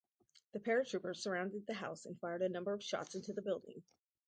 The paratroopers surrounded the house and fired a number of shots into the building.